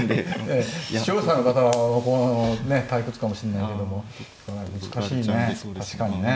視聴者の方は退屈かもしんないけども難しいね